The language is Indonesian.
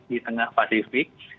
di tengah pasifik